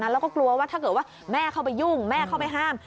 แล้วก็กลัวว่าถ้าเกิดว่าแม่เข้าไปยุ่งแม่เข้าไปห้าม